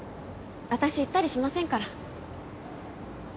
私言ったりしませんから。